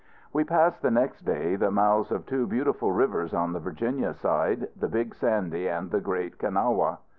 We passed the next day the mouths of two beautiful rivers on the Virginia side, the Big Sandy and the Great Kanawha.